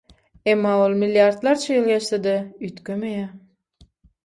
emma ol milliardlarça ýyl geçse-de, üýtgemeýär.